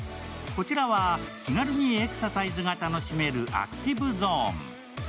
こちらは手軽にエクササイズが楽しめるアクティブゾーン。